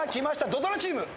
土ドラチーム。